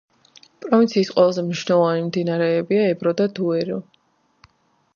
პროვინციის ყველაზე მნიშვნელოვანი მდინარეებია ებრო და დუერო.